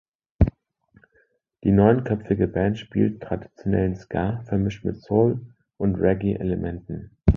Die neunköpfige Band spielt traditionellen Ska, vermischt mit Soul- und Reggae-Elementen.